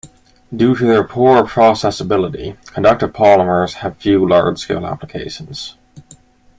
Due to their poor processability, conductive polymers have few large-scale applications.